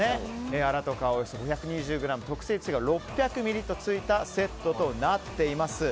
アラと皮、およそ５２０ｇ特製つゆが６００ミリリットル付いたセットとなっております。